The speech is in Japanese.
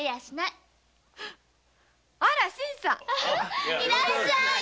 いらっしゃい。